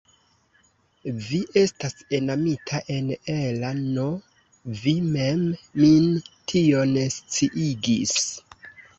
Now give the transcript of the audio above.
Vi estas enamita en Ella'n vi mem min tion sciigis.